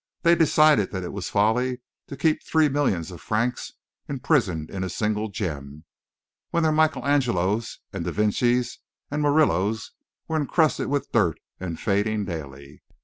They decided that it was folly to keep three millions of francs imprisoned in a single gem, when their Michael Angelos and da Vincis and Murillos were encrusted with dirt and fading daily.